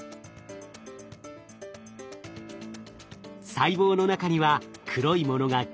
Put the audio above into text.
細胞の中には黒いものがぎっしり。